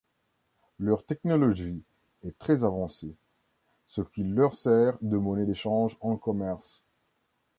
Leur technologie est très avancée, ce qui leur sert de monnaie d'échange en commerce.